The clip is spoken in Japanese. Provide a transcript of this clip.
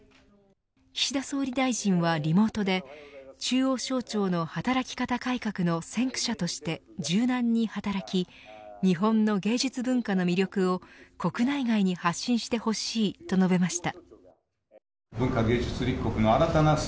岸田総理大臣はリモートで中央省庁の働き方改革の先駆者として柔軟に働き日本の芸術文化の魅力を国内外に発信してほしいと述べました。